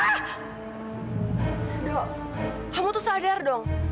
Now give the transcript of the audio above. aduh kamu tuh sadar dong